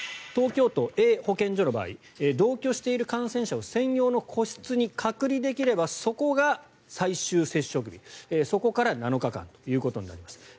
東京都、Ａ保健所の場合同居している感染者を専用の個室に隔離できればそこが最終接触日そこから７日間となります。